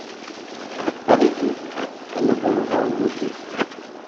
Pas du tout, elles ne peuvent pas embaucher